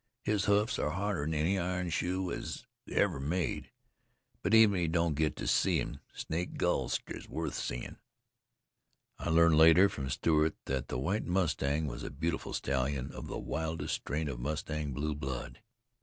His hoofs are harder'n any iron shoe as was ever made. But even if you don't get to see him, Snake Gulch is worth seein'." I learned later from Stewart that the White Mustang was a beautiful stallion of the wildest strain of mustang blue blood.